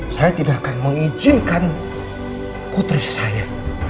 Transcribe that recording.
saya tidak akan mengizinkan putri saya